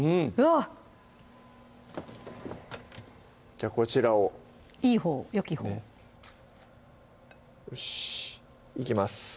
じゃあこちらをいいほうよきほうをよしいきます